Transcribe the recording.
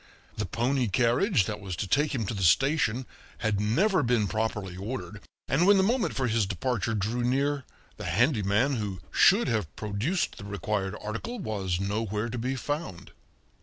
The pony carriage that was to take him to the station had never been properly ordered, and when the moment for his departure drew near, the handyman who should have produced the required article was nowhere to be found.